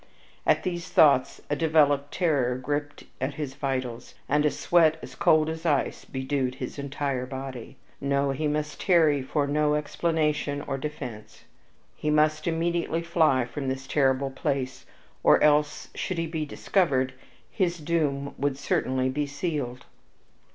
At these thoughts a developed terror gripped at his vitals and a sweat as cold as ice bedewed his entire body. No, he must tarry for no explanation or defense! He must immediately fly from this terrible place, or else, should he be discovered, his doom would certainly be sealed!